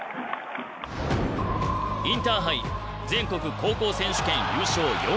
インターハイ全国高校選手権優勝４回の名門。